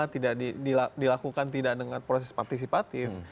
tidak dilakukan tidak dengan proses partisipatif